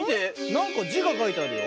なんかじがかいてあるよ。